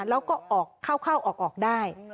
แล้วก็ออกเข้าออกได้